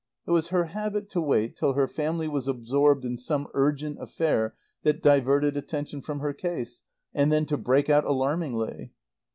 It was her habit to wait till her family was absorbed in some urgent affair that diverted attention from her case, and then to break out alarmingly.